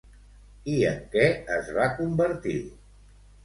I en què es va convertir?